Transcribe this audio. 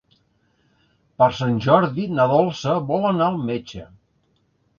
Per Sant Jordi na Dolça vol anar al metge.